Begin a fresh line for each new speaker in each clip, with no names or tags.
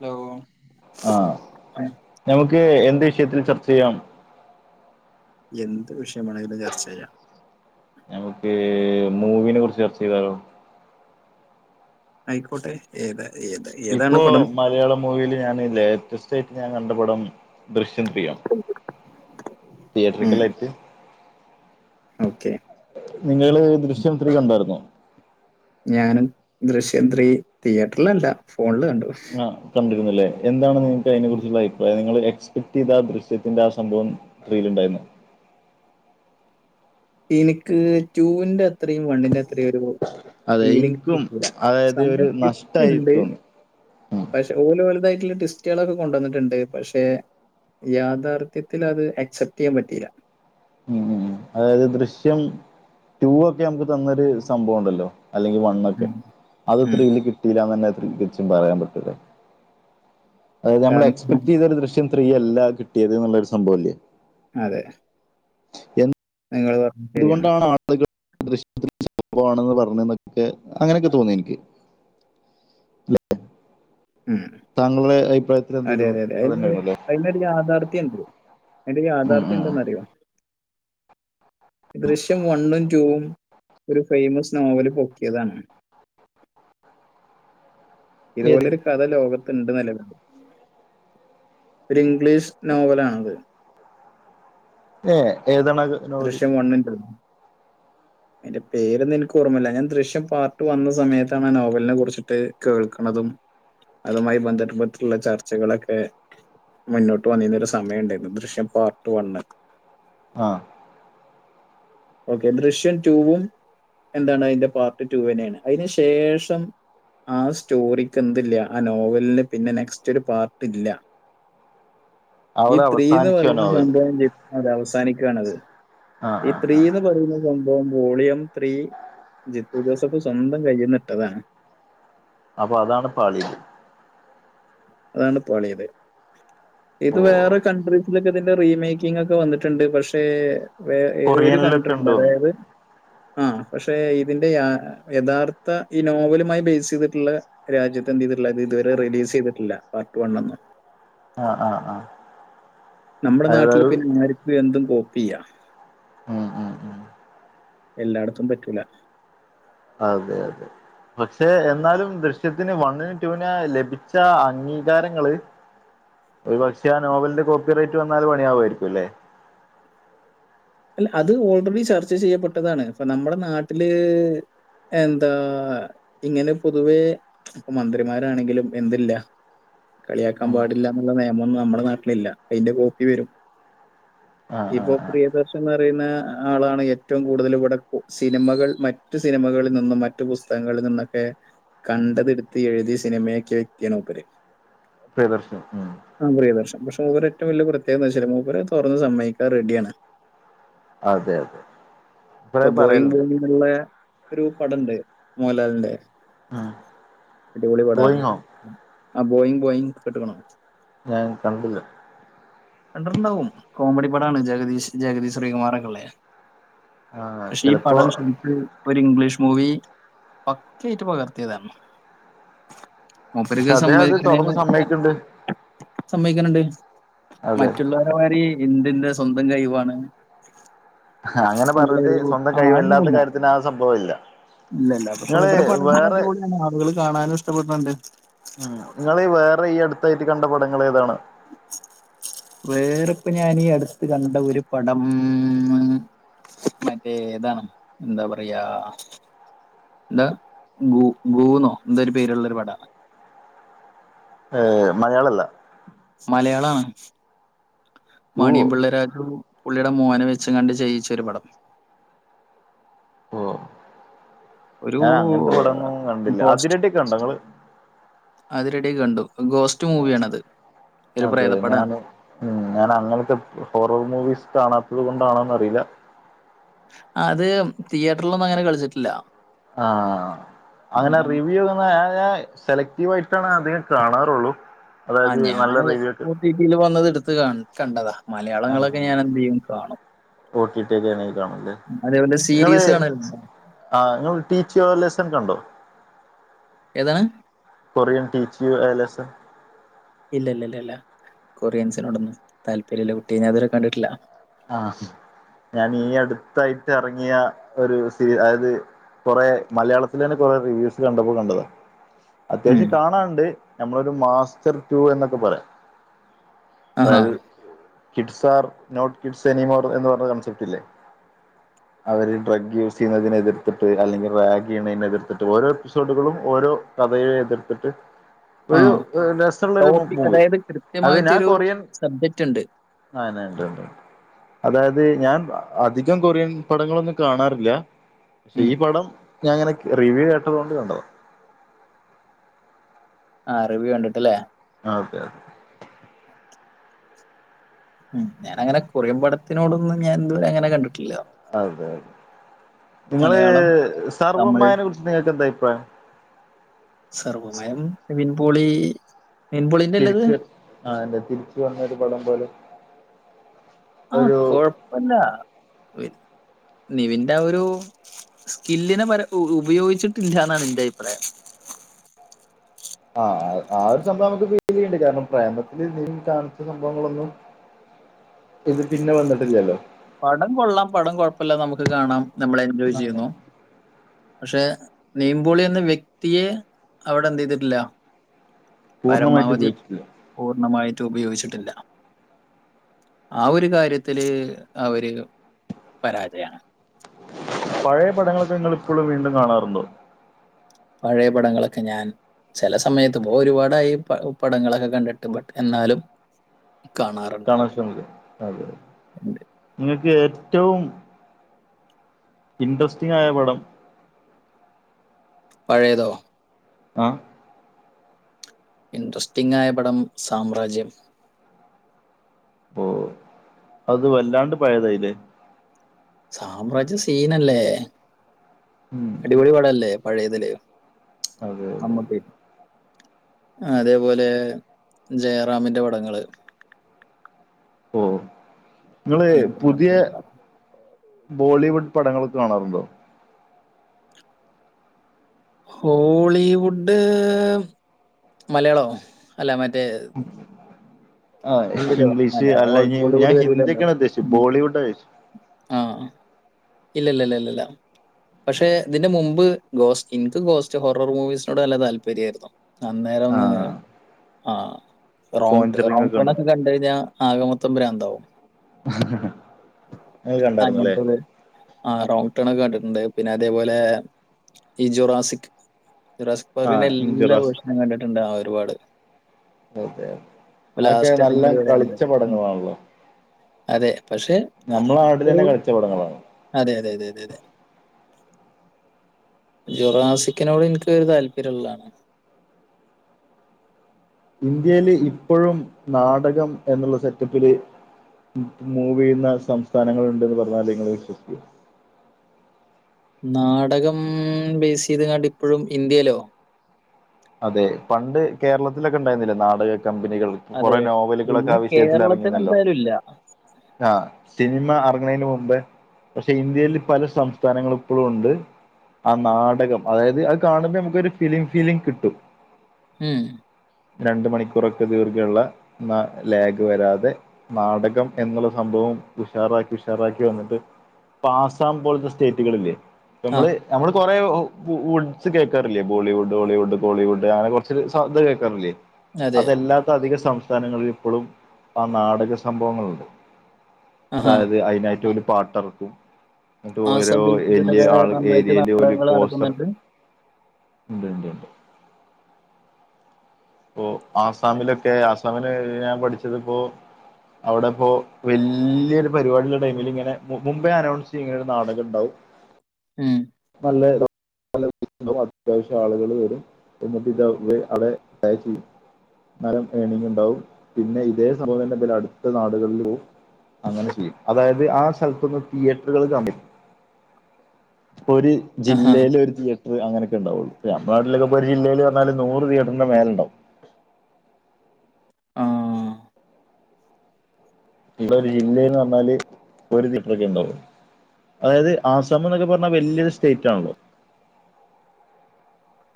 Hello
ആഹ് ഞമുക്ക് എന്ത് വിഷയത്തിൽ ചർച്ച ചെയ്യാം
എന്ത് വിഷയം വെണൊങ്കിലും ചർച്ച ചെയ്യാം
നമുക്ക് മൂവിനെ കുറിച്ച് ചർച്ച ചെയ്താലോ
ആയിക്കോട്ടെ ഏത് ഏത്-
ഇപ്പൊ മലയാളം മൂവില് ഞാനില്ലേ ലേറ്റസ്റ്റായിട്ട് ഞാൻ കണ്ടപടം- ദൃശ്യം ത്രീ യൊ
ഉം
തിയേറ്ററക്കെല്ലായിട്ട്
ഓക്കെ
നിങ്ങള് ദൃശ്യം ത്രി കണ്ടായിരുന്നോ
ഞാനും ദൃശ്യം ത്രീ തിയേറ്ററിലല്ല ഫോണില് കണ്ടു
ആഹ് കണ്ടിരുന്നില്ലേ എന്താണ് നിങ്ങക്ക് അതിനെ കുറിച്ചുള്ള അഭിപ്രായം നിങ്ങ കൃത്യം ദൃശ്യത്തിന്റെ ആ സംഭവം ത്രീ യിൽ ഉണ്ടായിരുന്നോ
എനിക്ക് ടൂവിന്റെ അത്രയും വൺ ന്റെ അത്രയും ഒരു-
അതെ
ഫലി
എനിക്കും
കിട്ട
അതായത്
സമയ
ഒരു നഷ്ടമായി
എട്ടണ്ട് [unintelligible]
തോന്നി ഉം.
പക്ഷെ ഓല് വലുതായിട്ടുള്ള ട്വിസ്റ്റുകളൊക്കെ കൊണ്ടുവന്നിട്ടുണ്ട് പക്ഷെ- യാഥാർത്ഥ്യത്തിൽ അത് അക്‌സെപ്റ്റ് ചെയ്യാൻ പറ്റിയില്ല
ഉം ഉം അതായത് ദൃശ്യം ടു ഒക്കെ നമുക്ക് തന്ന ഒരു സംഭവം ഉണ്ടല്ലോ അല്ലെങ്കിൽ- ഒക്കെ അത്
ഉം.
ത്രീയിൽ കിട്ടില്ലന്ന് തന്നെ തികച്ചു പറയാൻ പറ്റൂല്ല അതായത് നമ്മള്
കാരണം
എക്സ്പെക്ട് ചെയ്ത ഒരു ദൃശ്യം ത്രീയല്ല കിട്ടിയത് എന്നുള്ളൊരു സംഭവംല്ലേ
അതെ
എന്ത്-
ഞങ്ങള്ൾ [unintelligible]
എന്തുകൊണ്ടാണ് ആളുകൾ ദൃശ്യം ത്രീ ശോകമാണെന്ന് പറഞ്ഞത് ന്നൊക്കെ അങ്ങനെയൊക്കെ തോന്നി എനിക്ക്
ഉ
താങ്കളുടെ അഭിപ്രായത്തിൽ
അതെ
എന്തായിരുന്നു
അതെ അതെ
അതന്നെയായിരുന്നല്ലേ
അതിനൊരു യാഥാർഥ്യം ഉണ്ട് അതിൻ്റെ
ഉം
യാഥാർഥ്യ
ഉം
എന്താന്നറിയോ ദൃശ്യം വൺ വും റ്റു വും ഒരു ഫെയമസ് നോവല് പൊക്കിയതാണ്
ഏത്
ഇതുപോലെ ഒരു കഥ ലോകത്തുണ്ട് നിലപ പ്ലീസ് നോവലാണത്
ഏയ് ഏതണത്
ദൃശ്യം വൺ വും റ്റു വും
ഉ [inaudible]
അതിന്റെ പേരൊന്നും എനിക്ക് ഓർമ്മല്ല ഞാൻ ദൃശ്യം പാർട്ട് വന്ന സമയത്താണ് ആ നോവലിനെ കുറിച്ചിട്ട് കേൾക്കുന്നതും- അതുമായി ബന്ധപ്പെട്ടുള്ള ചർച്ചകളൊക്കെ- മുന്നോട്ട് വന്നിരുന്നരു സമയം ഉണ്ടായിരുന്നു ദൃശ്യം പാർട്ട് വൺ
ആഹ്
ഓക്കെ ദൃശ്യം ടുവും എന്താണ് അതിന്റെ പാർട്ട് ടു തന്നെയാണ് അതിന് ശേഷം- ആ സ്റ്റോറിക്ക് എന്തില്ല ആ നോവലിന് പിന്നെ നെക്സ്റ്റ് ഒരു പാർട്ട് ഇല്ല
[inaudible]
ഈ ത്രീന്ന്
അവസാനിച്ചു ആ
പറയുന്ന
നോവൽ
സംഭവം അത് അവസാനിക്കുകണത്
ആ ആ
ത്രീ
ആ
എന്ന് പറയുന്ന സംഭവം വോളിയം ത്രീ ജിത്തു ജോസഫ് സ്വന്തം കഴിയുന്നിട്ടതാണ്
അപ്പൊ അതാണ് പാളിയത്
അതാണ് പാളിയത് ഇത്
ഓ
വേറെ കൺട്രീസിലൊക്കെ ഇതിന്റെ റിമേക്കിംഗ് ഒക്കെ വന്നിട്ടുണ്ട് പക്ഷേ വെ ഒരു
കൊറിയനിലൊക്കെ ഉണ്ട്
കൺട്രീയുണ്ട്
തോന്നുന്നു
അതായത് ആ പക്ഷെ ഇതിന്റെ യാ യഥാർത്ഥ ഈ നോവലുമായി ബേസ് ചെയ്തിട്ടുള്ള രാജ്യത്തെ എന്ത് ചെയ്തിട്ടില്ല അത് ഇതുവരെ റിലീസ് ചെയ്തിട്ടില്ല പാർട്ട് വൺന്ന്
ആഹ് ആഹ് ആഹ്
നമ്മുടെ നാട്ടില് പിന്നാരും ഇത് എന്തും കോപ്പി ചെയ്യാ
ഉം ഉം ഉം
എല്ലായിടത്തും പറ്റൂല
അതെ അതെ പക്ഷെ എന്നാലും ദൃശ്യത്തിന് വണ്ണിന് ടുന് ലഭിച്ച അംഗീകാരങ്ങള് ഒരു പക്ഷെ ആ നോവലിന്റെ കോപ്പി റേറ്റ് വന്നാല് പണിയവുമായിരിക്കും അല്ലേ
അല്ല അത് ഓൾറെഡി ചർച്ച ചെയ്യപ്പെട്ടതാണ് അപ്പൊ നമ്മുടെ നാട്ടില് എന്താ ഇങ്ങനെ പൊതുവേ ഇപ്പ മന്ത്രിമാരാണെങ്കിലും എന്തില്ല കളിയാക്കാൻ
ഉം
പാടില്ല എന്നുള്ള നിയമം നമ്മുടെ നാട്ടിലില്ല അതിന്റെ കോപ്പി വരും
ആഹ്
ഇപ്പോ
ആഹ് ആഹ്
പ്രിയദർശ് ന്ന് പറയുന്ന ആളാണ് ഏറ്റവും കൂടുതൽ ഇവിടെ സിനിമകൾ മറ്റു സിനിമകളിൽ നിന്നും മ മറ്റു പുസ്തകങ്ങളിൽ നിന്നൊക്കെ കണ്ടത് ടുത്ത്എഴുതി സിനിമയാക്യ വ്യക്തിണ് മൂപ്പര്
പ്രിയദർശൻ ഉം
ആ പ്രിയദർശൻ പക്ഷെ മൂപ്പര് ഏറ്റവും വലിയ പ്രത്യേക എന്ന് വെച്ചാലേ മൂപ്പര് തുറന്ന് സമ്മതിക്കാ റെഡിയാണ്
അതെ അതെ
ഇപ്പൊ
കൊറേ
ബോയിങ്
പറയലുണ്ട്
ബോയിങ്ന്നുള്ള ഒരു പടണ്ട് മോഹൻലാ ലിന്റെ
ഉം
അടിപൊളി പടാ
ഗോയിങ് ഹോം
ആ ബോയിങ് ബോയിങ് കേട്ട്ക്ക്ണോ
ഞാൻ കണ്ടില്ല
കണ്ടിട്ടുണ്ടാവും കോമഡി പടാണ് ജഗദീഷ് ജഗദി ശ്രീകുമാറൊക്കെ ഒള്ളെ
ആഹ്
പക്ഷെ ഈ
ചിലപ്പോ
പടം ശരിക്ക് ഒരു ഇംഗ്ലീഷ് മൂവി പക്കയായിറ്റ് പകർത്തിയതാണ്
പക്ഷെ
മൂപ്പര്ക്ക്
അദ്ദേഹം അത്
സമ്മതിക്ക്ണേ
തുറന്ന്
ന്
സമ്മയിക്ക്ണ്ട്
സമ്മയ്ക്ക്ണ് ണ്ട്
അതെ
മറ്റുള്ളവരെമാരി ഇന്ദ് ന്റെ സ്വന്തം കഴിവാണ്
ആഹ് അങ്ങനെ പറഞ്ഞിട്ട്
നല്ലൊരു
സ്വന്തം കഴിവല്ലാത്ത കാര്യത്തിന് ആ സംഭവം ഇല്ല
ഇല്ലല്ല പക്ഷെ
നിങ്ങള്
മൂപ്പരെ പടങ്ങൾ
വേറെ
അടിപൊളിയാണ് ആളുകൾ കാണാനും ഇഷ്ടപ്പെട് ണ് ണ്ട്
ഉം നിങ്ങള് വേറെ ഈ അടുത്തായിട്ട് കണ്ട പടങ്ങള് ഏതാണ്
വേറെ ഇപ്പ ഞാനീ അടുത്ത് കണ്ട ഒരു പടം ഉം മറ്റേ താണ് എന്താ പറയാ എന്താ ഗൂ ഗൂന്നോ എന്തേ ഒരു പേരുള്ള ഒരു പടാണ്
ഏഹ് മലയാളല്ല
മലയാളാണ്
കൂവോ
മാണിയംപിള്ള രാജു പുള്ളിയുടെ മോന് വെച്ചങ്ങാണ്ട് ചെയ്യിച്ച ഒരു പടം ഒരു
ഞാൻ അങ്ങനത്തെ പടമൊന്നും കണ്ടില്ല
പോസ്റ്റ്
അതിരടിയൊക്കെ കണ്ടോ ഇങ്ങള്
അത് റെഡി കണ്ടു ഗോസ്റ്റ് മൂവിയാണത് ഒരു
അതെ
പ്രേതപ്പടാ
ഞാന് ഉം ഞാൻ അങ്ങനെത്തെ ഹോറർ മൂവീസ് കാണാത്തത് കൊണ്ടാണോന്ന് അറിയില്ല
അത് തിയറ്ററിലൊന്നും അങ്ങനെ കളിച്ചട്ടില്ല
ആഹ് അങ്ങനെ റിവ്യൂ ന്ന ഏഹ് ഞാഹ് സെലക്റ്റീവ് ആയിട്ടാണ് അധികം കാണാറുള്ളൂ അതായത് നല്ല റിവ്യൂ ഒക്കെ
രീതീല് വന്നത് എടുത്ത് ക കണ്ടതാ മലയാളങ്ങളൊക്കെ ഞാൻ എന്തെയും കാണും
ഒ ടി ടി യിലൊന്നെക്കി കാണൂലേ
അതേപോലെ
നിങ്ങള്
സീരീസ് കാണലുണ്ട്
ആഹ് ഇങ്ങൾ ടീച്ചിയോലെസൻ കണ്ടോ
ഏതാണ്
കൊറിയൻ ടീച്ചിയോ ലെസൻ
ഇല്ല ഇല്ല ഇല്ല ഇല്ല കൊറിയൻസിനോടൊന്നും താല്പര്യമില്ല കുട്ടി ഞാൻ ഇതുവരെ കണ്ടിട്ടില്ല
ആഹ് ഞാൻ ഈ അടുത്തായിട്ട് ഇറങ്ങിയ ഒരു സി അതായത് കുറെ മലയാളത്തില് തന്നെ കുറെ റിവ്യൂസ് കണ്ടപ്പോ കണ്ടതാ
ഉം.
അത്യാവശ്യം കാണാനുണ്ട് നമ്മളൊരു മാസ്റ്റർ ടു എന്നൊക്കെ പറയാം
ആഹാ
tell kids are not kids anymore എന്ന് പറഞ്ഞ കൺസെപ്റ്റ് ഇല്ലേ അവര് ഡ്രഗ് യൂസ് ചെയ്യുന്നതിനെ എതിർത്തിട്ട് അല്ലെങ്കിൽ റാഗ് ചെയ്യുന്നതിനെ എതിർത്തിട്ട് ഓരോ എപ്പിസോഡുകളും ഓരോ കഥയെ എതിർത്തിട്ട്
ആ
ഒരു രസമുള്ള ഒരു
ടോപ്പിക്
മൂവി
അതായത്
അത് ഞാൻ
കൃത്യമായിട്ടൊരു
കൊറിയൻ
സബ്ജക്റ്റ് ഉണ്ട്
ആഹ് ഉണ്ട് ഉണ്ട് അതായത് ഞാൻ അധികം കൊറിയൻ പടങ്ങളൊന്നും കാണാറില്ല പക്ഷെ
ഉം.
ഈ പടം ഞാനങ്ങനെ റിവ്യൂ കേട്ടതുകൊണ്ട് കണ്ടതാ
ആഹ് റിവ്യൂ കണ്ടിട്ടല്ലേ
ആഹ് ഓക്കേ ഓക്കേ
ഉം ഞാനങ്ങനെ കൊറിയൻ പടത്തിനോടൊന്നും ഞാൻതുവരെ അങ്ങനെ കണ്ടിട്ടില്ല.
അതെതെ നിങ്ങള്
മലയാളം തമിഴ്
സർവമ്മായെനെ കുറിച്ച് നിങ്ങൾക്കെന്താ അഭിപ്രായം.
സർവമയം നിവിൻപോളി.
തിരിച്ച് ആ അനെതിരിച്ച് വന്നൊരു പടം പോലെ.
ആഹ്
ഒരു
കൊഴപ്പല്ല. നിവിന്റ ആ ഒരു സ്കില്ലിനെ പര ഉ ഉപയോഗിച്ചിട്ടില്ലന്നാണ് എന്റെ അഭിപ്രായം.
ആഹ് ആ ഒരു സംഭവം നമുക്ക് ഫീലയിണ്ട് കാരണം പ്രേമത്തില് നിവിൻ കാണിച്ച സംഭവങ്ങളൊന്നും. പിന്നെ പിന്നെ വന്നിട്ടില്ലല്ലോ.
പടം കൊള്ളാം പടം കൊഴപ്പല്ല നമക്ക് കാണാം നമ്മൾ എൻജോയ്
അങ്ങനെ
ചെയ്യുന്നു. പക്ഷെ നിവിൻമ്പോളി എന്ന വ്യക്തിയെ. അവിടെ എന്ത് ചെയ്തിട്ടില്ല
പൂർണ്ണമായിട്ട്
പരമാവതി.
ഉപയോഗിച്ചിട്ടില്ല
പൂർണമായിട്ട് ഉപയോഗിച്ചിട്ടില്ല ആ ഒരു കാര്യത്തില്. അവര് പരാജയാണ്.
പഴയ പടങ്ങളൊക്കെ ങ്ങൾ ഇപ്പഴും വീണ്ടും കാണാറുണ്ടോ.
പഴയെ പടങ്ങളൊക്കെ ഞാൻ. ചെല സമയത്ത് ഇപോ ഒരുപാടായി പ പടങ്ങളൊക്കെ കണ്ടിട്ട് ബട്ട്‌ എന്നാലും. കാണാറുണ്ട്
കാണാശ്രമിക്കും അതെ.
ഉണ്ട്.
ഇങ്ങക്ക് ഏറ്റും ഇന്ട്രസ്റ്റിംങ്ങായ പടം.
പഴയെതോ.
ആഹ്
ഇൻട്രസ്റ്റിങ്ങായപടം സാമ്രാജ്യം.
പ്പൊ അത് വല്ലാണ്ട് പഴയതായില്ലേ.
സാമ്രാജ്യം സീനല്ലേ
ഉം
അടിപൊളി പടല്ലേ പഴയതില്.
അതെ അതെ
നമ്മക്കെ. അതേപോലെ ജയറാമിന്റെ പടങ്ങള്.
ഓ ഇങ്ങള്
എനിക്ക്
പുത്യ.
താല്പര്യം
ബോളിവുഡ് പടങ്ങളൊക്കെ കാണാറുണ്ടോ.
ഹോളിവുഡ് മലയാളോ അല്ല മറ്റേ.
ആഹ്
ഇതിലോ
ഇംഗ്ലീഷ്
മലയാളം
അല്ല ഞാൻ ഹി
ഹോളിവുഡ്
ഹിന്ദിക്കെയാണ് ഉദ്ദേശിചെ ബോളിവുഡേ
ആഹ് ഇല്ലല്ലല്ല ല്ല. പക്ഷെ ഇതിന്റെ മുമ്പ് ഗോസ്റ്റ് എനിക്ക് ഗോസ്റ്റ് ഹോറർ മൂവീസിനോട് നല്ല താല്പര്യയിരുന്നു. അന്നേരൊന്ന്
ആഹ്
ആ റോങ്ട്ട് റോ
കോഞ്ചറിങ് ഒക്കെ കണ്ടു
കണ്ടയിഞ്ഞാ ആകെമൊത്തംബ്രാന്താവും
അത് കണ്ടായിരുന്നല്ലേ
അങ്ങനത്തെത്. ആ റോങ്ങ് ടേണൊക്കെ കണ്ടിട്ടുണ്ട് പിന്നെ അതേപോലെ. ഈ ജുറാസിക് ജുറാസിക് പാർക്കിന്റെ
ആഹ്
എല്ലാ
ഇഞ്ചുറാസ്
വേർഷണും കണ്ടിട്ടുണ്ട് ഒരുപാട്.
അതെതെ അതൊക്കെ
ലാസ്റ്റ്
നലെ
ഇറങ്ങിയത് വരെ ഉണ്ട് ഉം.
കളിച്ചപടങ്ങളാണല്ലോ.
അതെ പക്ഷെ അത
നാട്ടിൽ തന്നെ കളിച്ച പടങ്ങളാണ്
അതെ അതെ അതെ അതെ അതെ. ജുറാസിക്കിനോടെന്ക്കൊര് താല്പര്യള്ളാണ്.
ഇന്ത്യെല് ഇപ്പഴും നാടകം എന്നുള്ള സെറ്റപ്പില്. മൂവെയ്യുന്ന സംസ്ഥാനങ്ങളുണ്ടെന്ന് പറഞ്ഞാല്ങ്ങള് വിശ്വസിക്കോ.
നാടകം ബേസ് ചെയ്തങ്ങാണ്ട് ഇപ്പഴും ഇന്ത്യലോ.
അതെ പണ്ട് കേരളത്തിലക്കെണ്ടായിരുന്നിലെ നാടക കമ്പനികൾ.
അതെ
കൊറെ നോവലുകളൊക്കെ
ഇന്ന്
ആ വിഷയത്തിലൊക്കെ
കേരളത്തിൽ
എറങ്ങിന്നല്ലോ.
എന്തായാലും ഇല്ല
ആഹ് സിനിമ എറങ്ങണെന് മുമ്പേ. പക്ഷെ ഇന്ത്യേല് പല സംസ്ഥാനങ്ങളും ഇപ്പഴുവൊണ്ട്. ആ നാടകം അതായത് അത് കാണുമ്പോ നമുക്കൊരു ഫിലിം ഫീലിംഗ് കിട്ടും.
ഉംഹ്.
രണ്ട്‌ ‌ മണിക്കൂറൊക്കെ ദീർഘള്ള ന ലാഗ് വരാതെ. നാടകം എന്നുള്ള സംഭവം ഉഷാറാക്കി ഉഷാറാക്കി വന്നിട്ട്. ഇപ്പാസാം പോലത്തെ സ്റ്റേറ്റുകളില്ലേ.
ആ
നമ്മള് നമ്മള് കൊറെ വുഡ്സ് കേക്കാറില്ലേ ബോളിവുഡ് ഹോളിവുഡ്. ബോളിവുഡ് ആനെ കൊറച്ചൊര് സൗദ് കേൾക്കാറില്ലേ
അതെ
അതല്ലാത്ത അധിക സൗ താനങ്ങളിലിപ്പൊഴും ആ നാടക സംഭവങ്ങളുണ്ട്
ആഹാ.
അതായത് അയ്നായിട്ട് ഓല് പാട്ടെറക്കും എന്നട്ട് ഓരോ
ആസാം ബേസിലൊക്കെ
[unintelligible] ആൾ
നന്നായിട്ട്
ഏരിയേല് ഒരു
നാടകങ്ങൾ
പോസ്റ്റർ
നടക്കുന്നുണ്ട്.
ഉണ്ട്- പ്പൊ ആസാമിലൊക്കെ ആസാമില് ഞാൻ പഠിച്ചതിപ്പോ അവിടെപ്പോ വല്യൊരു പരിപാടിയുള്ള ടൈമില് ഇങ്ങനെ മുമ്പ്മ്പേ അനൗൺസ് ചെയ്യും ഇങ്ങനെ ഒരു നാടകണ്ടാവും [inaudible]
ഉം
നല്ല [unintelligible] അത്യാവശ്യം ആളുകള് വരും എന്നിട്ട് ഇത് [unintelligible] [unintelligible] നല്ലം ഏർണിങ്ങുണ്ടാവും പിന്നെ ഇതേ സംഭംതന്നെ [unintelligible] അടുത്ത നാടുകളിലും പോവും അങ്ങനെ ചെയ്യും അതായത് ആ സ്ഥലത്തൊന്ന് തിയേറ്ററുകൾ [unintelligible] [unintelligible] ഒരു
ആഹാ.
ജില്ലേലൊരു തിയറ്റർ അങ്ങനേക്കെണ്ടാവുള്ളൂ പ്പ നമ്മുടെ നാട്ടിലൊക്കെ ഒരു ജിലേല്ല് വന്നാല് നൂറ് തിയേറ്റ്റിന്റെ മേലെണ്ടാവും
ആ.
ഇവിടെ ഒരു ജില്ലേന്നറഞ്ഞാല് ഒരു തീയേറ്ററൊക്കെണ്ടാവു അതായത് ആസാമെന്നൊക്കെ പറഞ്ഞാൽ വല്യൊരു സ്റ്റേറ്റ് ആണല്ലോ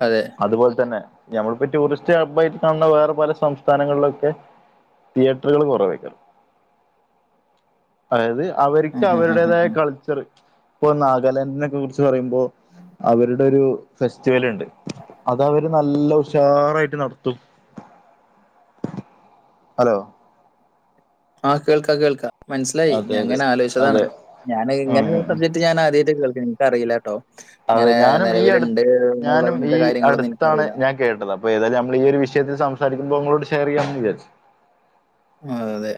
അതെ
അതുപോല്തന്നെ ഞമ്മളിപ്പോ ടൂറിസ്റ്റ് ഹബ്ബായിട്ട് കാണുന്ന വേറെ പല സംസ്ഥാനങ്ങളിലൊക്കെ തിയേറ്ററുകള് കൊറവേ [unintelligible] അതായത് അവര്ക്ക്
ഉം, ഉം, ഉം, ഉം,
അവരുടേതായ
ഉം.
കൾച്ചറ് ഇപ്പൊ നാഗാലാൻഡിനെക്കെ കുറിച്ച് പറയുമ്പോ അവരുടെ ഒരു ഫെസ്റ്റിവല്ണ്ട് അതവര് നല്ല ഉഷാറായിട്ട് നടത്തും ഹലോ
ആഹ കേൾക്കാം കേൾക്കാ മനസ്സിലായി
അതെ അതെ
ഞാങ്ങനെ ആലോചിച്ചതാണ്
അതെ
ഞാന്
ഉം
ഇങ്ങനെ
ഉം
ഒരു
ഉം.
സബ്ജക്ട് റ്റ് ഞാനാദ്യായിട്ട് കേൾക്കാ ന്ക്ക് അറിയില്ലാട്ടൊ
അതെ
ഇങ്ങനെ
ഞാനും ഈ അടു
നെലവിലുണ്ട് എന്നുള്ള
ഞാനും ഈ
ഇങ്ങത്തെ കാര്യങ്ങളൊന്നും
അടുത്താണ്
എനിക്കറിയില്ല
ഞാൻ കേട്ടത് അപ്പൊ ഏതായാലും നമ്മളീ ഒരു വിഷയത്തിൽ സംസാരിക്കുമ്പോ ങ്ങളോട് ഷെയർ ചെയ്യാന്ന് വിചാരിച്ചു
ആ അതെ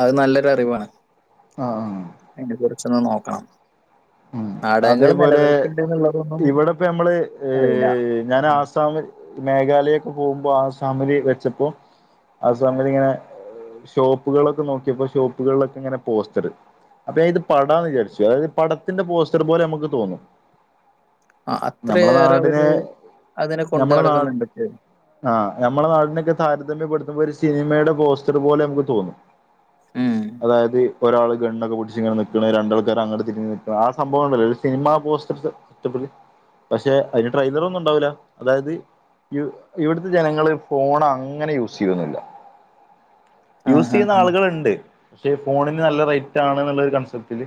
അത് നല്ലൊരു അറിവാണ്
ആഹ് ആഹ്
അയ്നെ കുറിച്ചൊന്ന് നോക്കണം
ഉം
നാടകങ്ങൾ
അതേപോലെ
നിലനിൽക്കുന്നുണ്ട് എന്നുള്ളതൊന്നും
ഇവിടെപ്പ ഞമ്മള് ഏ
അറിയില്ല.
ഞാൻ ആസാം മേഘാലയൊക്കെ പോവുമ്പോ ആസാമില് വെച്ചപ്പോ ആസാമില്ങ്ങനെ- ഷോപ്പുകളൊക്കെ നോക്കിയപ്പോ ഷോപ്പുകളിലൊക്കെങ്ങനെ പോസ്റ്ററ് അപ്പൊഞാ ഇത് പടാന്ന് വിചാരിച്ചു അതായത് പടത്തിന്റെ പോസ്റ്റർ പോലെ നമുക്ക് തോന്നും
ആഹ്
നമ്മളെ നാടിനെ
അത്രയേറെയവര് അതിനെ കൊണ്ട്
നമ്മളെ നാ
നടക്ക്ന്നുണ്ട്-
ആഹ് നമ്മടെ നാടിനെക്കെ താരതമ്യപ്പെടുത്തുമ്പോ ഒരു സിനിമേടെ പോസ്റ്ററ് പോലെ നമുക്ക് തോന്നും
ഉം.
അതായത് ഒരാള് ഗണ്ണൊക്കെ പിടിച്ച് ഇങ്ങനെ നിക്കണ് രണ്ട് ആൾക്കാർ അങ്ട് തിരി ആഹ് സംഭവം ഉണ്ടല്ലോ ഒരു സിനിമ പോസ്റ്റർ സെറ്റപ്പ്പിൽ പക്ഷെ അതിന് ട്രൈയിലർ ഒന്നും ഉണ്ടാവില്ല അതായത് ഇ ഇവിടുത്തെ ജനങ്ങള് ഫോൺ അങ്ങനെ യൂസ് ചെയ്യുന്നില്ല യൂസ്
ആഹാ.
ചെയ്യുന്ന ആളുകളുണ്ട് പക്ഷെ ഫോണിന് നല്ല റേറ്റ് ആണ്ന്നുള്ളരു കൺസെപ്റ്റില്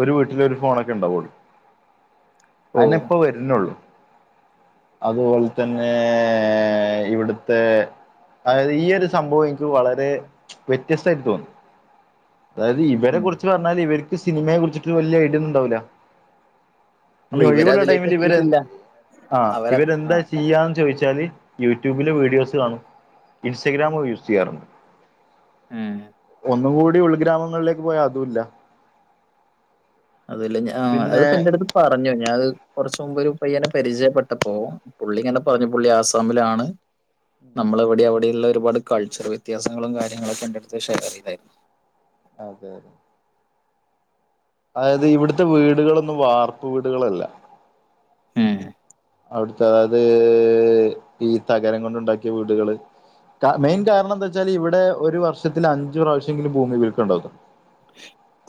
ഒരു വീട്ടിലൊരു ഫോൺ ഒക്കെ ഉണ്ടാവുള്ളൂ
ഓ.
അതന്നെ ഇപ്പോ വരുന്നുള്ളു അതുപോലെ തന്നെ ഇവിടുത്തെ അതായത് ഈ ഒരു സംഭവം എനിക്ക് വളരെ വ്യത്യസ്തമായിട്ട് തോന്നി അതായത് ഇവരെ
ഉം.
കുറിച്ച് പറഞ്ഞാല് ഇവർക്ക് സിനിമയെ കുറിച്ചിട്ട് വലിയ ഐഡിയന്നുണ്ടാവൂല
അല്ല
ഇനി ഒഴിവുള്ള
ഇവരതിലേക്ക്
ടൈമിൽ ഇവര്
എത്തിയിട്ടില്ല
ആ്ഹ്
അവര ആ
ഇവരെന്താ ചെയ്യാന്ന് ചോദിച്ചാല് യൂട്യൂബിലെ വീഡിയോസ് കാണും ഇൻസ്റ്റഗ്രാമും യൂസ് ചെയ്യാറുണ്ട്
ഏഹ്
ഒന്നും കൂടി ഉൾഗ്രാമങ്ങളിലേക്ക് പോയാ അതുമില്ല
അതല്ല ഞ ആഹ്
പിന്നെ
അത്പ്പാ എന്റെടുത്ത് അഹ് പറഞ്ഞു ഞാന അത് കുറച്ച മുമ്പ് ഒരു പയ്യനെ പരിചയപ്പെട്ടപ്പോ പുള്ളിങ്ങനെ പറഞ്ഞു പുള്ളി ആസാമിലാണ് നമ്മളെവിടെ അവിടെയള്ള ഒരുപാട് കൾച്ചർ വ്യത്യാസങ്ങളും കാര്യങ്ങളൊക്കെ എന്റടുത്തു ഷെയർ ചെയ്തായിരുന്നു
അതെ അതെ അതായത് ഇവിടുത്തെ വീടുകളൊന്നും വാർപ്പ് വീടുകളല്ല
ഏഹ്
അവിടുത്തെ അതായത് ഈ തകരം കൊണ്ടുണ്ടാക്കിയ വീടുകള് മെയിൻ കാരണം എന്താ വെച്ചാൽ ഇവിടെ ഒരു വർഷത്തിൽ അഞ്ചു പ്രാവശ്യംങ്കിലും ഭൂമി കുലുക്കമുണ്ടാവും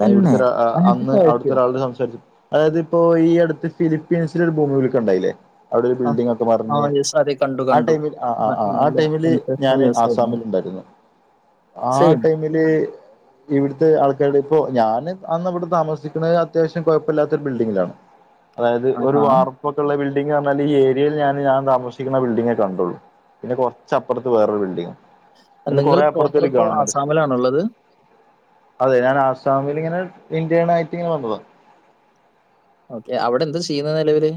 തന്നെ
ഇവിടുത്തെ
അഞ്ച്
അന്ന് അവിടുത്തെ
പ്രാവശ്യോ
ഒരാളോട് സംസാരിച്ചു അതായത് ഇപ്പോ ഈ അടുത്ത് ഫിലിപ്പീൻസിൽ ഒരു ഭൂമി കുലു ക്കണ്ടായില്ലേ അവിടെ ഒരു
ആ
ബിൽഡിംങ് ഒക്കെ
ആ
മറിഞ്ഞ്
യെസ് അതെ കണ്ടു
ആഹ്
കണ്ടു
ടൈമിൽ ആഹ് ആഹ്
ന-
ആഹ് ആഹ്
നല്ല
ടൈമിൽ
സെൻസേഷണൽ
ഞാന്
ന്യൂസ് ആയിരുന്നു
ആസാമിൽ ഇണ്ടായിരുന്ന് ആ
സെയിം
ടൈമില് ഇവിടുത്തെ ആൾക്കാരുടെ ഇപ്പോ ഞാന് അന്നവിടെ താമസിക്കുന്നത് അത്യാവശ്യം കുഴപ്പമില്ലാത്ത ഒരു ബിൽഡിങ്ങിലാണ് അതായത് ഒരു
ആഹാ
വാർപ്പൊക്കെ ഉള്ള ബിൽഡിങ് ബിൽഡിങ് പറഞ്ഞാൽ ഏരിയൽ ഞാന് താമസിക്കുന്ന ബിൽഡിങ്ങേ കണ്ടുള്ളു പിന്നെ കൊറച്ചപ്പുറത്ത് വേറൊരു ബിൽഡിങ് പിന്നെ
നിങ്ങൾ
കൊറേ അപ്പുറത്ത
പ്രോപ്പർ
ഒരു
ഇപ്പോ
ഗവണ്മെന്റ് സ്കൂൾ
ആസാമിലാണുള്ളത്
അതെ ഞാൻ ആസാമിൽ ഇങ്ങനെ ഇന്ത്യൻ ആയിട്ട് ഇങ്ങനെ വന്നതാണ്
ഓക്കെ അവിടെ എന്താ ചെയ്യുന്ന നിലവില്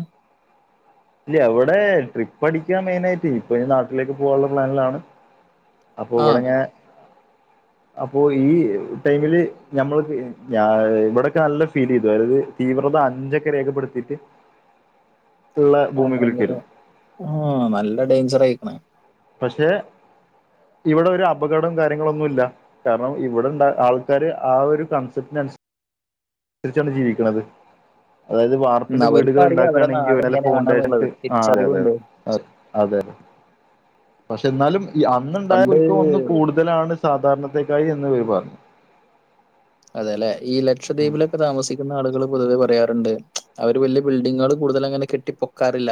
ഇല്ല ഇവിടെ ട്രിപ്പ് അടിക്കാൻ മെയിനായിട്ട് ഇപ്പൊ നാട്ടിലേക്ക് പോകാനുള്ള പ്ലാനിലാണ് അപ്പൊ
ആ
ഇവിടെഞാ അപ്പോ ഈ ടൈമില് ഞമ്മൾ ഇവിടോക്കെ നല്ല ഫീല് ചെയ്തു അതായത് തീവ്രത അഞ്ചൊക്കെ രേഖപ്പെടുത്തിയിട്ട് ഉള്ള ഭൂമികുലുക്കായിരുന്നു
ആഹ് നല്ല ഡേഞ്ചർ ആയിക്കണ്
പക്ഷെ ഇവിടെ ഒരു അപകടം കാര്യങ്ങളൊന്നുല്ല്യ കാരണം ഇവിടെണ്ടായിരന്ന ആൾക്കാര് ആഹ് ഒരു കൺസെപ്റ്റന്നുസരിച്ച് തിരിച്ചാണ് ജീവിക്കണുന്നത് അതായത്
ഉം.
വാർപ്പിന്റെ വീടുകൾ
അവർക്കറിയാം അവരുടെ നാട്
ഉണ്ടാക്കുകയാണെങ്കിൽ
എങ്ങനെയാണെന്നുള്ളത്
ഫൗണ്ടേഷ് ആഹ് അതെ അതെതെ
തിരിച്ചറിവുണ്ട്
അഹ് അതെതെ പക്ഷെ എന്നാലും അന്നുണ്ടായ
പണ്ട്
കുൽക്കം ഇന്ന് കൂടുതലാണ് സാധാരണക്കായി എന്ന് ഇവര് പറഞ്ഞു
അതെ അല്ലെ ഈ ലക്ഷദ്വീപിലൊക്കെ താമസിക്കുന്ന ആളുകളും പൊതുവെ പറയാറുണ്ട് അവര് വലിയ ബിൽഡിങ്ങുകൾ കൂടുതൽ അങ്ങനെ കെട്ടിപ്പൊക്കാറില്ല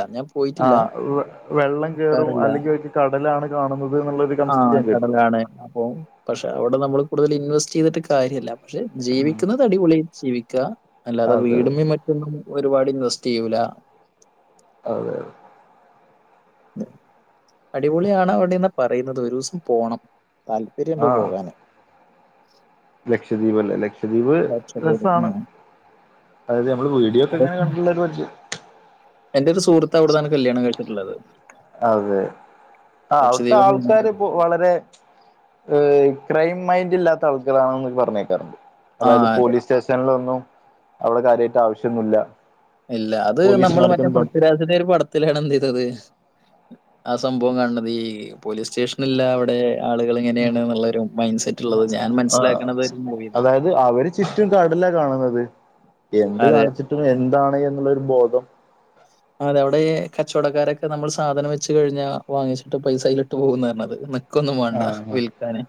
ആ
പോയിട്ടില്ല
വെള്ളം കേയറും
പൊക്കാറില്ല
അല്ലെങ്കിൽ അവക്ക് കടലാണ് കാണുന്നത് എന്നൊക്കെ ഒരു കോൺസെപ്റ്റ് ഞാൻ കേട്ടു
ആണ് അഹ് പക്ഷെ അവിടെ നമ്മള് കൂടുതൽ ഇൻവെസ്റ്റ് ചെയ്തിട്ട് കാര്യമില്ല പക്ഷെ ജീവിക്കുന്നത് അടിപൊളി ജീവിക്കുക അല്ലാതെ
അതെ അതെ
വീടുംമേ മറ്റേ ന്നും ഒരുപാട് ഇൻവെസ്റ്റേയ്യൂല
അതെ
[unintelligible] അടിപൊളിയാണ് അവിടെന്നാ പറയുന്നത് ഒരുസം പോണം താല്പര്യംണ്ട് പോകാന്
ലക്ഷദ്വീപല്ലേ ലക്ഷ് ലക്ഷദ്വീപ്
ലക്ഷദ്വീപ്
രസാണ്
ഉം.
അതായത് നമ്മള് വീഡിയോക്കെ ഇങ്ങനെ കണ്ടുള്ളൊരു പരിചയം
എന്റൊരു സുഹത്ത് അവിടുന്നാണ് കല്യാണം കഴിച്ചിട്ടുള്ളത്
അതെ ആഹ് അവിടുത്തെ
ലക്ഷദ്വീപ്
ആൾക്കാര് ഇപ്പോ വളരെ ക്രൈം മൈന്റ് ഇല്ലാത്ത ആൾക്കാരാണെന്ന് പറഞേൾകാറുണ്ട്
ആ
അതായത്
അതെ
പോലീസ് സ്റ്റേഷനിലൊന്നും അവിടെ കാര്യായിട്ട് ആവശ്യൊന്നുംല്ല
ഇല്ല അത് നമ്മള് മറ്റേ പൃഥ്വിരാജിന്റെ ഒരു പടത്തിലാണ് എന്തെയ്തത് ആ സംഭവം കണ്ടത് ഈ പോലീസ് സ്റ്റേഷനില്ല അവിടെ ആളുകള് എങ്ങനെയാണ്ന്നുള്ളൊരു മൈൻഡ് സെറ്റുള്ളത് ഞാൻ മനസ്സിലാക്കണത് ഒരു മൂവിന്നാണ്
അത് അവര് ചുറ്റും കടലാ കാണുന്നത് എന്ത്
അതെ
കാണിച്ചിട്ടും എന്താണ് എന്നുള്ളൊരു ബോധം
അതവിടെ കച്ചവടക്കാരൊക്കെ നമ്മൾ സാധനം വെച്ച് കഴിഞ്ഞാ വാങ്ങിച്ചിട്ട് പൈസ അയിലിട്ട് പോകുന്നാ പറഞ്ഞത് ഇക്കൊന്നും വേണ്ട
ആഹ്
വിൽക്കാന്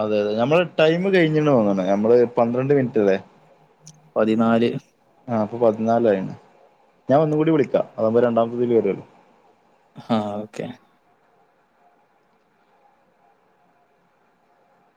അതെ അതെ നമ്മള് ടൈം കഴിഞ്ഞിന്ന് തോന്നണ് നമ്മള് പന്ത്രണ്ട് മിനിറ്റ് അല്ലേ
പതിനാല്
ആഹ് അപ്പൊ പതിനാലായിണ് ഞാൻ ഒന്നൂടി വിളിക്കാം അതകുമ്പോ രണ്ടമത്തേതിൽ വരുമല്ലോ
ആഹ് ഓക്കെ